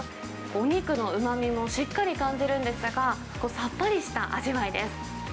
お肉のうまみもしっかり感じるんですが、さっぱりした味わいです。